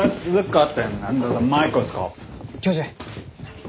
教授。